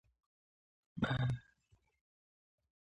The new game would have been based around the "Generals" franchise.